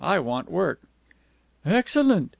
I want work." "Excellent!"